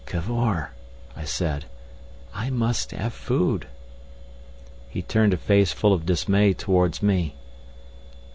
"Cavor," I said, "I must have food." He turned a face full of dismay towards me.